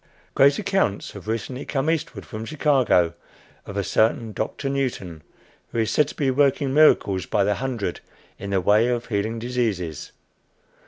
Great accounts have recently come eastward from Chicago, of a certain Doctor Newton, who is said to be working miracles by the hundred in the way of healing diseases.